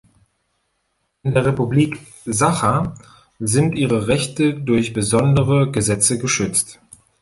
In der Republik Sacha sind ihre Rechte durch besondere Gesetze geschützt.